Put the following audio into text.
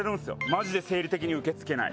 マジで生理的に受け付けない。